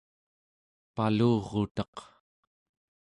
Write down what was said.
palurutaq